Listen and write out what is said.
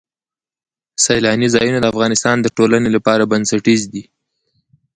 سیلاني ځایونه د افغانستان د ټولنې لپاره بنسټیز دي.